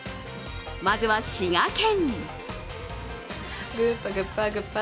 まずは滋賀県。